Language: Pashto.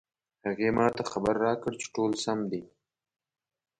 هغې ما ته خبر راکړ چې ټول سم دي